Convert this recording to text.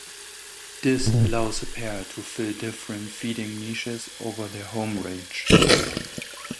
This allows a pair to fill different feeding niches over their home range.